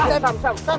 sam sam sam